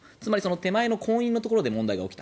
手前の婚姻のところで問題が起きた。